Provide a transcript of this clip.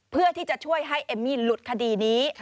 เพื่อที่จะช่วยให้เอมมี่หลุดคดีนี้